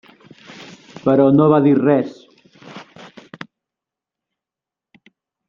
Però no va dir res.